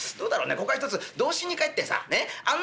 ここはひとつ童心に返ってさあんな